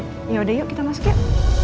ehm yaudah yuk kita masuk yuk